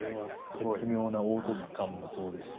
絶妙な凹凸感もそうですし。